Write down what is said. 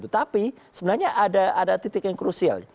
tapi sebenarnya ada titik yang krusial